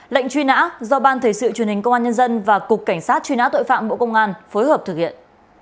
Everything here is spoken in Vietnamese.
lệnh truy nã do ban thể sự truyền hình công an nhân dân và cục cảnh sát truy nã tội phạm bộ công an phối hợp thực hiện